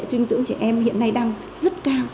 dinh dưỡng trẻ em hiện nay đang rất cao